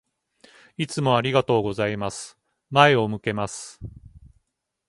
いつもありがとうございます。前を向けます。